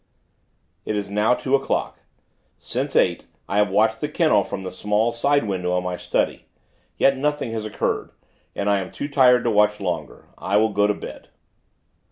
It is now two o'clock. Since eight, I have watched the kennel, from the small, side window in my study. Yet, nothing has occurred, and I am too tired to watch longer. I will go to bed....